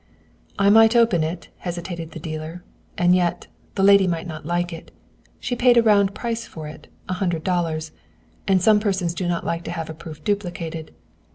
"I might open it," hesitated the dealer, "and yet, the lady might not like it. She paid a round price for it, a hundred dollars. And some persons do not like to have a proof duplicated.